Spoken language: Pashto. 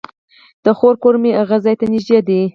د خور کور مې هغې ځای ته نژدې دی